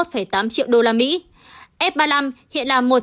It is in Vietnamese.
f ba mươi năm hiện là một trăm một mươi bốn triệu usd